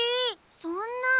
そんな！